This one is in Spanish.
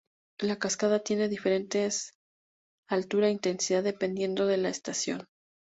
La cascada tiene diferente altura e intensidad, dependiendo de la estación.